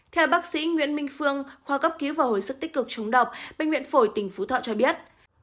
theo bác sĩ nguyễn minh phương khoa cấp cứu và hồi sức tích cực chúng đọc bệnh viện phổi tỉnh phú thọ cho biết